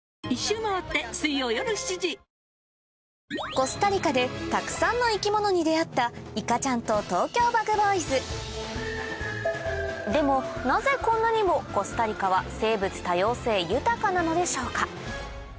コスタリカでたくさんの生き物に出合ったいかちゃんとＴｏｋｙｏＢｕｇＢｏｙｓでもなぜこんなにもコスタリカは生物多様性豊かなのでしょうか